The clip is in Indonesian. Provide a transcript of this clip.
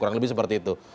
kurang lebih seperti itu